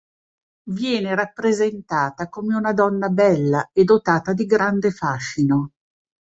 Viene rappresentata come una donna bella e dotata di grande fascino.